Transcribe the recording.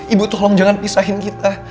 ibu tuh tolong jangan pisahin kita